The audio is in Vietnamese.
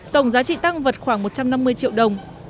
tổng giá trị tăng vật khoảng một trăm năm mươi triệu đồng